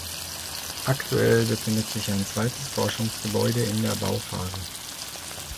Aktuell befindet sich ein zweites Forschungsgebäude in der Bauphase.